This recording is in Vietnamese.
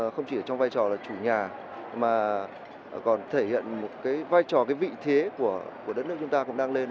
không chỉ ở trong vai trò là chủ nhà mà còn thể hiện một cái vai trò vị thế của đất nước chúng ta cũng đang lên